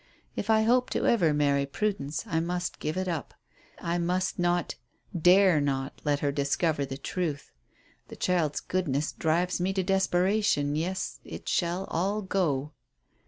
If I hope to ever marry Prudence I must give it up. I must not dare not let her discover the truth. The child's goodness drives me to desperation. Yes it shall all go."